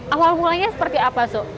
awal mulanya seperti apa